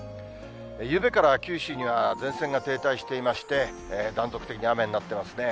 ゆうべから九州には前線が停滞していまして、断続的に雨になってますね。